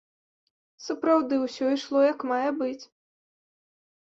Сапраўды, усё ішло як мае быць.